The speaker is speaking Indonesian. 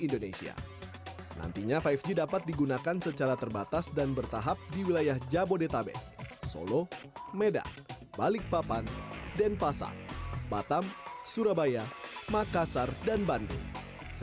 dan menjadi yang pertama menikmati jaringan lima g